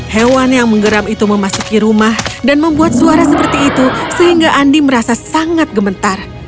hewan yang menggeram itu memasuki rumah dan membuat suara seperti itu sehingga andi merasa sangat gementar